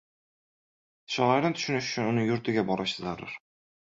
Shoirni tushunish uchun uning yurtiga borish zarur.